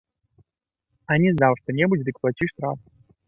А не здаў што-небудзь, дык плаці штраф.